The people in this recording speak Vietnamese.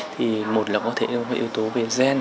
thì một là có thể có yếu tố về gen